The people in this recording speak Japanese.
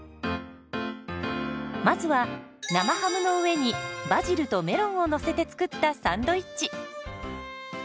まずは生ハムの上にバジルとメロンをのせて作ったサンドイッチ。